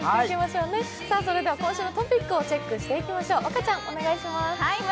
それでは今週のトピックをチェックしていきましょう。